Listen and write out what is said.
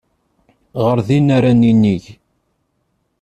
Ɣer din ara ninig.